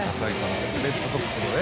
レッドソックスのね。